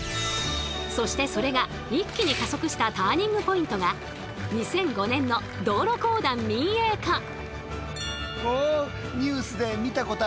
そしてそれが一気に加速したターニングポイントが２００５年の道路公団民営化。